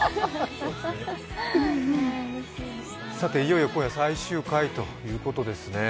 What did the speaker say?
さて、いよいよ今夜、最終回ということですね。